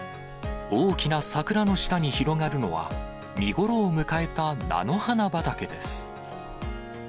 大きな桜の下に広がるのは、見頃を迎えた菜の花畑です。